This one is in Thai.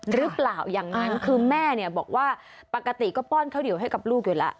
หรือเปล่าอย่างนั้นคือแม่เนี่ยบอกว่าปกติก็ป้อนข้าวเหนียวให้กับลูกอยู่แล้ว